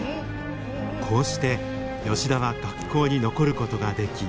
こうして吉田は学校に残ることができ。